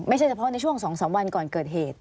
ไม่ใช่เฉพาะในช่วงสองสามวันก่อนเกิดเหตุ